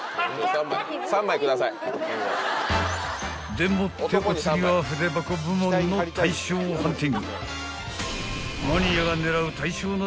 ［でもってお次は筆箱部門の大賞をハンティング］